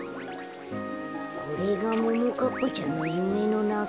これがももかっぱちゃんのゆめのなか？